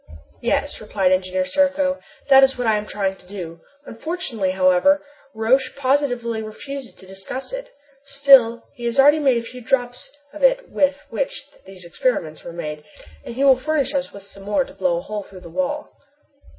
"Yes," replied Engineer Serko, "that is what I am trying to do. Unfortunately, however, Roch positively refuses to discuss it. Still he has already made a few drops of it with which those experiments were made, and he will furnish as with some more to blow a hole through the wall."